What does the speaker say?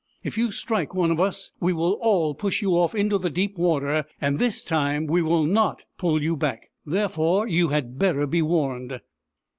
If you strike one of us we will all push you off into the deep water — and this BOORAN, THE PELICAN 85 time we will not pull you back. Therefore, you had better be warned."